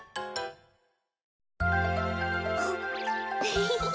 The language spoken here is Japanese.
フフフ。